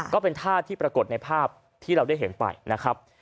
ก็เป็นท่าที่ปรากฏในภาพที่เราได้เห็นไปนะครับ